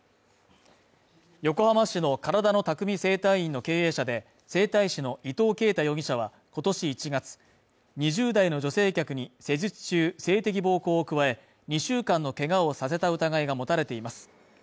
横浜市のからだの匠整体院の経営者で整体師の伊藤恵太容疑者は今年１月、２０代の女性客に施術中に性的暴行を加え、２週間のけがをさせた疑いが持たれています。